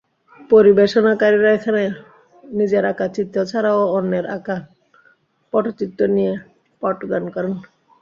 পরিবেশনাকারীরা এখানে নিজের আঁকা চিত্র ছাড়াও অন্যের আঁকা পটচিত্র নিয়ে পটগান করেন।